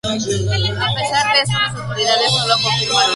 A pesar de eso, las autoridades no lo confirmaron.